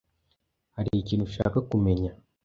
Hari ikintu ushaka kumenya?